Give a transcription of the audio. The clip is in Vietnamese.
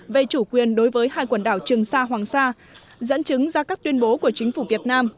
về chủ quyền đối với hai quần đảo trường sa hoàng sa dẫn chứng ra các tuyên bố của chính phủ việt nam